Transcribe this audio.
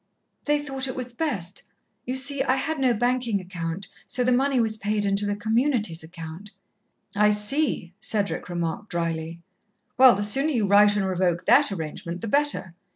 "They thought it was best. You see, I had no banking account, so the money was paid into the Community's account." "I see," Cedric remarked drily. "Well, the sooner you write and revoke that arrangement, the better.